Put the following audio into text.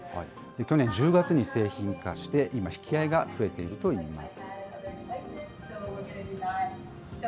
去年１０月に製品化して、今、引き合いが増えているといいます。